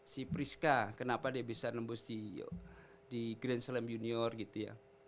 si priska kenapa dia bisa nembus di grand slam junior gitu ya